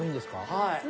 はい。